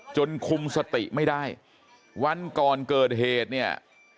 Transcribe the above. คุมสติไม่ได้วันก่อนเกิดเหตุเนี่ย